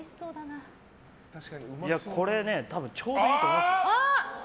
これ多分ちょうどいいと思いますよ。